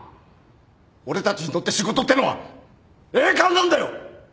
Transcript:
俺たちにとって仕事ってのは栄冠なんだよ！